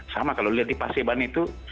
sama kalau lihat di paseban itu